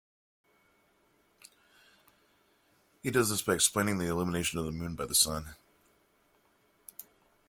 He does this by explaining the illumination of the Moon by the Sun.